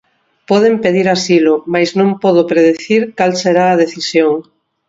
Poden pedir asilo, mais non podo predicir cal será a decisión.